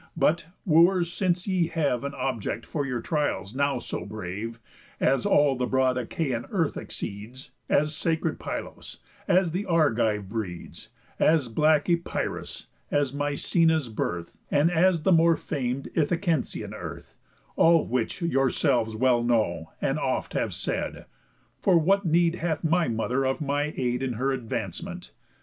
But, Wooers, since ye have An object for your trials now so brave, As all the broad Achaian earth exceeds, As sacred Pylos, as the Argive breeds, As black Epirus, as Mycena's birth, And as the more fam'd Ithacensian earth, All which, yourselves well know, and oft have said— For what need hath my mother of my aid In her advancement?